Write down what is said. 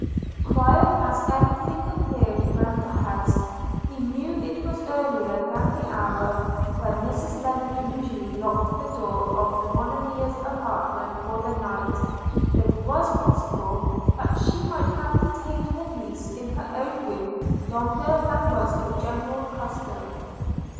Quiet as every thing appeared round the house, he knew it was earlier than the hour when Mrs Lennard usually locked the door of the Monimia's apartment for the night; it was possible that she might have detained her niece in her own room longer than was her general custom.